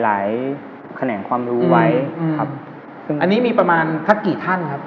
บ๊วยบ๊วยทำไมถึงไม่เปิดอ่าน